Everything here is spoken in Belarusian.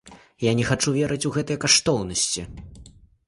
Я не хачу верыць у гэтыя каштоўнасці.